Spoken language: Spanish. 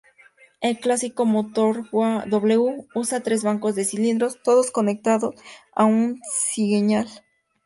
El clásico motor W usa tres bancos de cilindros, todos conectados a un cigüeñal.